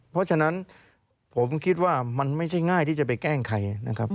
เพราะฉะนั้นผมคิดว่ามันไม่ใช่ง่ายที่จะไปแกล้งใครนะครับ